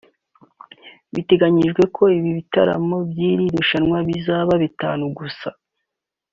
Biteganyijwe ko ibitaramo by’iri rushanwa bizaba bitanu gusa